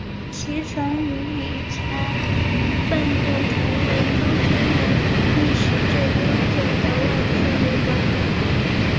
其曾与礼查饭店同为租界内历史最悠久的外资旅馆。